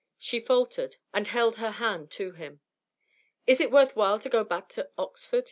She faltered, and held her hand to him. 'Is it worth while to go hack to Oxford?'